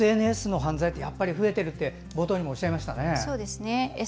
ＳＮＳの犯罪って増えてるって冒頭にもおっしゃいましたね。